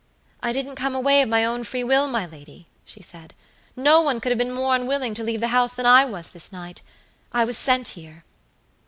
"I didn't come away of my own free will, my lady," she said; "no one could have been more unwilling to leave the house than I was this night. I was sent here."